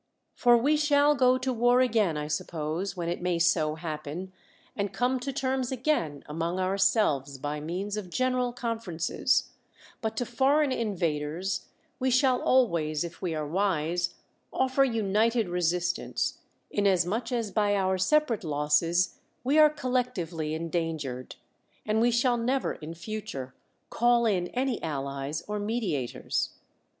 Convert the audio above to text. For we 59 THE WORLD'S FAMOUS ORATIONS shall go to war again, I suppose, when it may so happen, and come to terms again among our selves by means of general conferences; but to foreign invaders we shall always, if we are wise, offer united resistance, inasmuch as by our sepa rate losses we are collectively endangered ; and we shall never in future call in any allies or mediators.